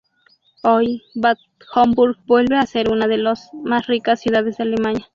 Hoy, Bad Homburg vuelve a ser una de los más ricas ciudades de Alemania.